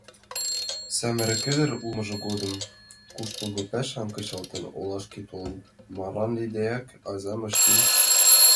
Самырык ӱдыр улмыж годым, куштылго пашам кычалын, олашке толын, марлан лекдеак азам ыштен.